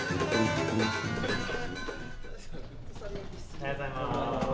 おはようございます。